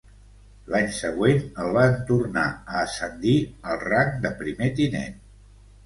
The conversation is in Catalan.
L'any següent, el van tornar a ascendir al rang de primer tinent.